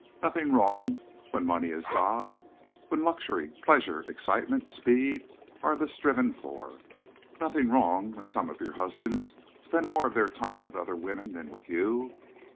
Nothing wrong when money is god—when luxury, pleasure, excitement, speed are the striven for? Nothing wrong when some of your husbands spend more of their time with other women than with you?